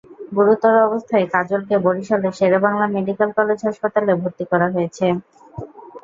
গুরুতর অবস্থায় কাজলকে বরিশালের শের-ই-বাংলা মেডিকেল কলেজ হাসপাতালে ভর্তি করা হয়েছে।